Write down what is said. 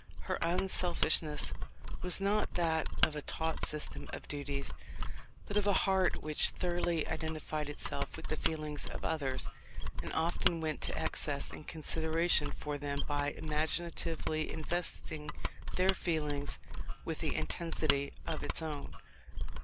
Her unselfishness was not that of a taught system of duties, but of a heart which thoroughly identified itself with the feelings of others, and often went to excess in consideration for them by imaginatively investing their feelings with the intensity of its own.